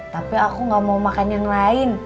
tapi aku gak mau makan yang lain